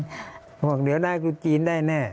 เขาบอกเดี๋ยวได้ขุดจีนได้แน่